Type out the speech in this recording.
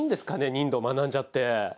忍道学んじゃって。